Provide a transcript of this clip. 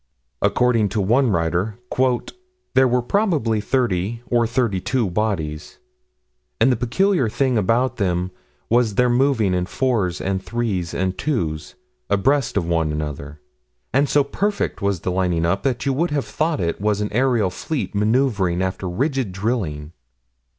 According to one writer: "There were probably 30 or 32 bodies, and the peculiar thing about them was their moving in fours and threes and twos, abreast of one another; and so perfect was the lining up that you would have thought it was an aerial fleet maneuvering after rigid drilling."